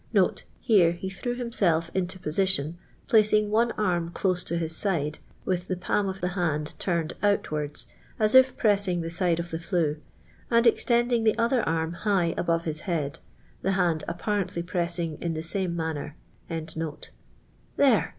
[Here he threw himself init I position ]iln€iiig one arm close to his side, with the palm of the hand turned outwards, as if j pressing the side of the flue, and extending the I other arm hi^h above his head, the hand appa rently pressing in the same manner.] *' There."